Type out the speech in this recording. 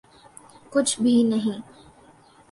کچھ بھی نہیں۔